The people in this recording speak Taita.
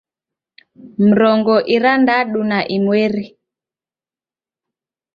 Mrongo irandadu na imweri